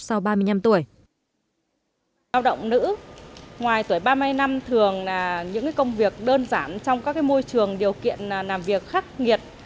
sau ba mươi năm tuổi lao động nữ ngoài tuổi ba mươi năm thường là những công việc đơn giản trong các môi trường điều kiện làm việc khắc nghiệt